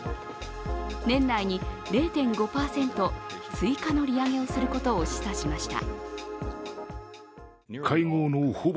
年内に０．５％追加の利上げをすることを示唆しました。